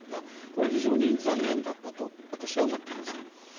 これは非常に残念だったと私は思っています。